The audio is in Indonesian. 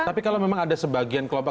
tapi kalau memang ada sebagian kelompok